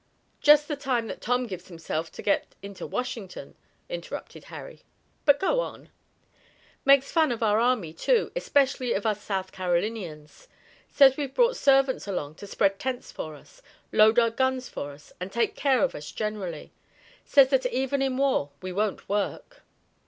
"Just the time that Tom gives himself to get into Washington," interrupted Harry. "But go on." "Makes fun of our army, too, especially of us South Carolinians. Says we've brought servants along to spread tents for us, load our guns for us, and take care of us generally. Says that even in war we won't work."